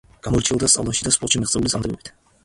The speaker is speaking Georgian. გამოირჩეოდა სწავლაში და სპორტში მიღწეული წარმატებებით.